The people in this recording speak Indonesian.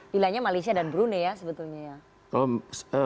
wilayahnya malaysia dan brunei ya sebetulnya ya